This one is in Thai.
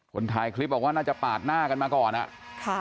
คนถ่ายคลิปบอกว่าน่าจะปาดหน้ากันมาก่อนอ่ะค่ะ